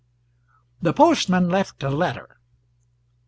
The postman left a letter.